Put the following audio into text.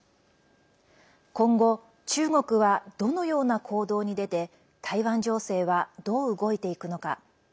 今後、中国はどのような行動に出て台湾情勢は、どう動いていくのか。